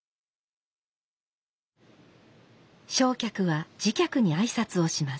正客は次客に挨拶をします。